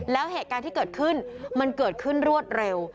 แล้วเหตุการณ์ที่เกิดขึ้นมันเกิดขึ้นรวดเร็ว